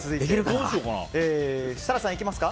設楽さん、いきますか？